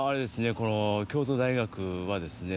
この京都大学はですね